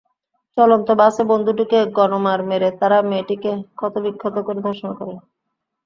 চলন্ত বাসে বন্ধুটিকে গণমার মেরে তাঁরা মেয়েটিকে ক্ষতবিক্ষত করে ধর্ষণ করেন।